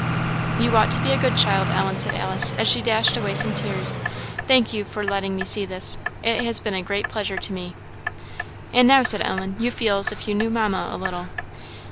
"You ought to be a good child, Ellen," said Alice, as she dashed away some tears. "Thank you for letter me see this; it has been a great pleasure to me." "And now," said Ellen, "you feel as if you knew Mamma a little."